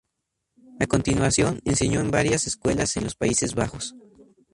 A continuación, enseñó en varias escuelas en los Países Bajos.